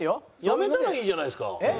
やめたらいいじゃないですか。